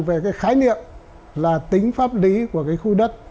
về cái khái niệm là tính pháp lý của cái khu đất